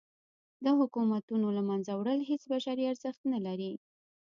د حکومتونو له منځه وړل هیڅ بشري ارزښت نه لري.